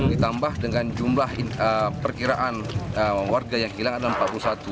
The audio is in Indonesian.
ditambah dengan jumlah perkiraan warga yang hilang adalah empat puluh satu